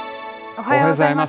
おはようございます。